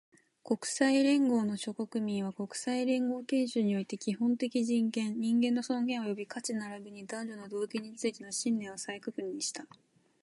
国際連合の諸国民は、国際連合憲章において、基本的人権、人間の尊厳及び価値並びに男女の同権についての信念を再確認した